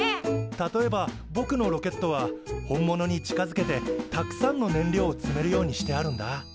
例えばぼくのロケットは本物に近づけてたくさんの燃料を積めるようにしてあるんだ。